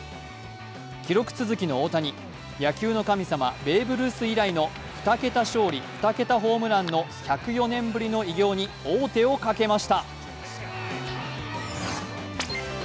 記録続きの大谷、野球の神様ベーブ・ルース以来の２桁勝利・２桁ホームランの１０４年ぶりの偉業に王手をかけました。